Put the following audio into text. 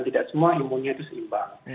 tidak semua ilmunya itu seimbang